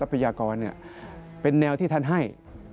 พยากรเป็นแนวที่ท่านให้